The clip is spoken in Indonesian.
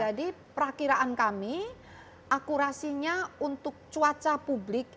jadi prakiraan kami akurasinya untuk cuaca publik